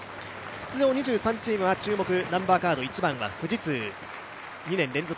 出場２３チーム、注目のナンバーカード１番は富士通。